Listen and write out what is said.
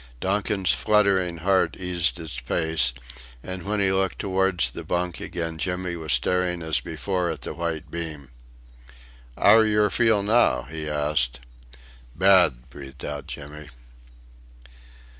Donkin's fluttering heart eased its pace, and when he looked towards the bunk again Jimmy was staring as before at the white beam. "'Ow d'yer feel now?" he asked. "Bad," breathed out Jimmy.